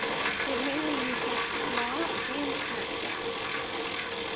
It mainly recaps "Raw" and "SmackDown".